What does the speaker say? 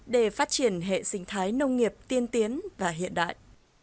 để phát triển hệ sinh thái nông nghiệp tiên tiến và hiện đại